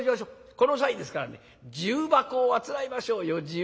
この際ですからね重箱をあつらえましょうよ重箱。